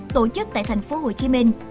tổ chức tại thành phố hồ chí minh